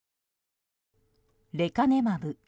レカネマブ。